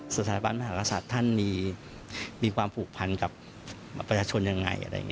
สถาบัติมหาศาสตร์ท่านมีความผูกพันกับประชชน